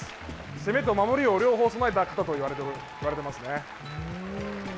攻めと守りを両方兼ね備えた型であると言われていますね。